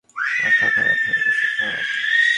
মাথা খারাপ হয়ে গেছে তোমার?